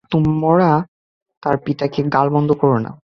তোমরা তার পিতাকে গালমন্দ করো না।